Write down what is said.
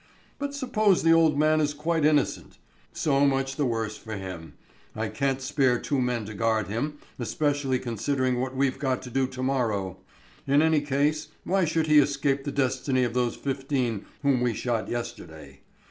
But suppose the old man is quite innocent? So much the worse for him. I can't spare two men to guard him, especially considering what we've got to do to morrow. In any case, why should he escape the destiny of those fifteen whom we shot yesterday?